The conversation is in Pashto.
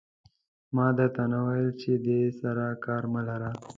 ما در ته نه ویل چې دې سره کار مه لره.